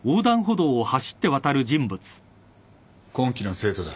今期の生徒だ。